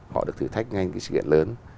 họ được thử thách ngay cái sự kiện lớn